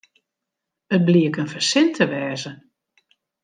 It bliek in fersin te wêzen.